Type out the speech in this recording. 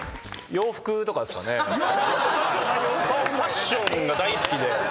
洋服⁉ファッションが大好きで。